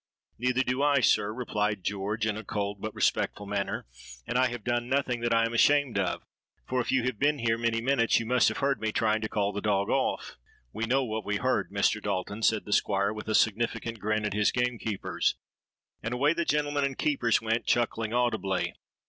—'Neither do I, sir,' replied George in a cold but respectful manner; 'and I have done nothing that I am ashamed of; for, if you have been here many minutes, you must have heard me trying to call the dog off.'—'We know what we heard, Mr. Dalton,' said the Squire, with a significant grin at his gamekeepers;—and away the gentleman and keepers went, chuckling audibly.